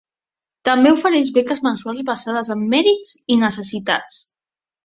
També ofereix beques mensuals basades en mèrits i necessitats.